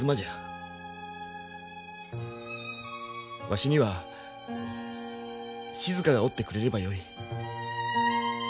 わしには静がおってくれればよい。